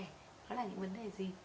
nó là những vấn đề gì